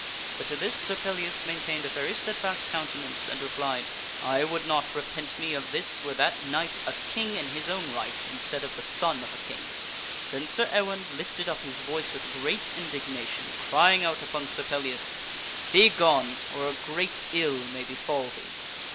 But to this Sir Pellias maintained a very steadfast countenance and replied, " I would not repent me of this were that knight a king in his own right instead of the son of a king." Then Sir Ewaine lifted up his voice with great indignation, crying out upon Sir Pellias, " Begone ! or a great ill may befall thee."